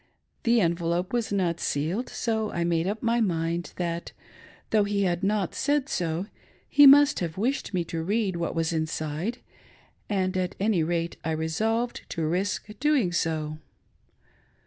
The envelope was not sealedj so I made up my mind that, though he had not said so, he must have wished me to read what was inside, and at any rate I re solved to risk doing so.